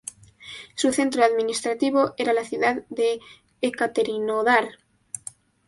Su centro administrativo era la ciudad de Ekaterinodar.